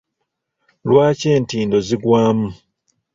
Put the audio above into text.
Lwaki entindo zigwamu?